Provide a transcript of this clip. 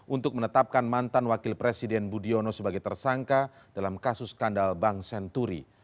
untuk menetapkan mantan wakil presiden budiono sebagai tersangka dalam kasus skandal bank senturi